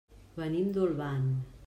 Venim d'Olvan.